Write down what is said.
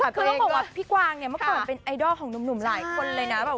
คือต้องบอกว่าพี่กวางเนี่ยเมื่อก่อนเป็นไอดอลของหนุ่มหลายคนเลยนะ